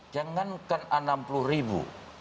jangankan enam puluh ribu